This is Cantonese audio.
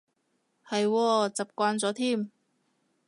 係喎，習慣咗添